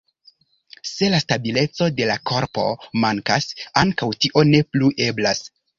Se la stabileco de la korpo mankas, ankaŭ tio ne plu eblas.